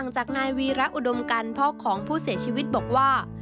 จากนายวีระอุดมกันพ่อของผู้เสียชีวิตบอกว่า